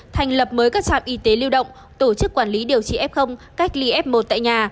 thành lập mới các trạm y tế lưu động tổ chức quản lý điều trị f cách ly f một tại nhà